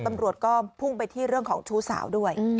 ตำรวจก็พุ่งไปที่เรื่องของชู้สาวด้วย